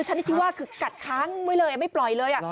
ฉันนี่ที่ว่ากัดครั้งไว้เลยไม่ปล่อยเลย